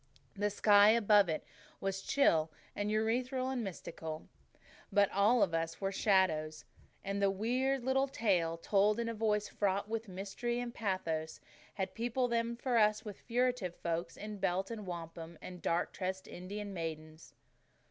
The sky above it was chill and ethereal and mystical. But all about us were shadows; and the weird little tale, told in a voice fraught with mystery and pathos, had peopled them for us with furtive folk in belt and wampum, and dark tressed Indian maidens.